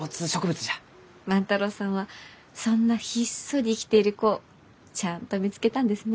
万太郎さんはそんなひっそり生きている子をちゃあんと見つけたんですね。